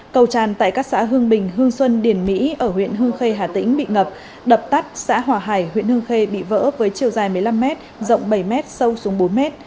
cầu tràn tại các xã hương bình hương xuân điển mỹ ở huyện hương khê hà tĩnh bị ngập đập tắt xã hòa hải huyện hương khê bị vỡ với chiều dài một mươi năm m rộng bảy m sâu xuống bốn m